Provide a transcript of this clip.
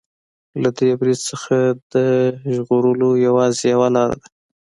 له دې برید نه د ژغور يوازې يوه لاره ده.